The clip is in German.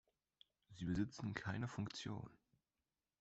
Sie besitzen keine Funktion.